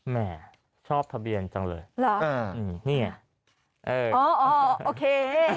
แหม่ชอบทะเบียนจังเลยเนี่ยโอเค